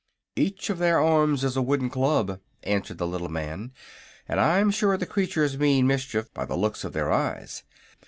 "Each of their arms is a wooden club," answered the little man, "and I'm sure the creatures mean mischief, by the looks of their eyes.